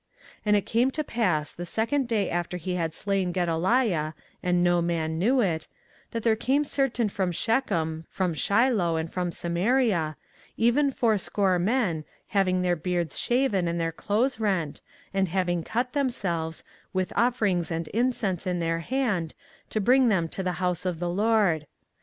24:041:004 And it came to pass the second day after he had slain Gedaliah, and no man knew it, 24:041:005 That there came certain from Shechem, from Shiloh, and from Samaria, even fourscore men, having their beards shaven, and their clothes rent, and having cut themselves, with offerings and incense in their hand, to bring them to the house of the LORD.